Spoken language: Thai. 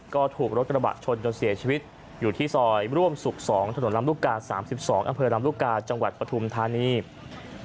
ก็ถูกรถกระบะชนจนเสียชีวิตอยู่ที่ซอยร่วมสุข๒ถนนลำลูกกา๓๒อำเภอลำลูกกาจังหวัดปฐุมธานี